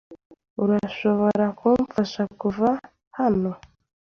Urashobora kumfasha kuva hano?